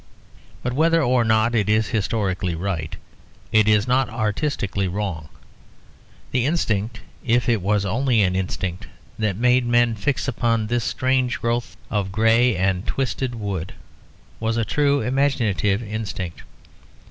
But whether or not it is historically right, it is not artistically wrong. The instinct, if it was only an instinct, that made men fix upon this strange growth of grey and twisted wood, was a true imaginative instinct.